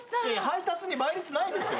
配達に倍率ないですよ。